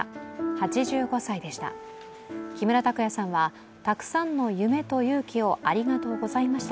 ８５歳でした。